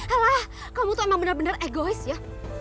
alah kamu tuh emang benar benar egois ya